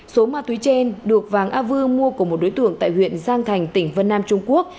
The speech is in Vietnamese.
số ma túy trên được vàng a vư mua của một đối tượng tại huyện giang thành tỉnh vân nam trung quốc